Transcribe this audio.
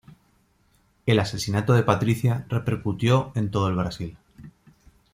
El asesinato de Patricia repercutió en todo el Brasil.